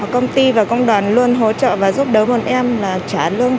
công ty và công đoàn luôn hỗ trợ và giúp đỡ bọn em là trả lương